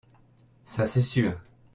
Ça c’est sûr !